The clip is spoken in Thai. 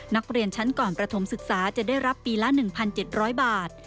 นักเรียนชั้นก่อนประถมศึกษาจะได้รับปีละ๑๗๐๐บาท